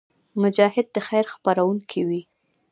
مجاهد د خیر خپرونکی وي.